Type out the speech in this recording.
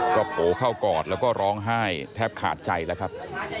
ก็โผล่เข้ากอดแล้วก็ร้องไห้แทบขาดใจแล้วครับ